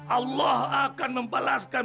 allah akan membalaskan